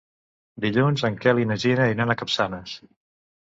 Dilluns en Quel i na Gina iran a Capçanes.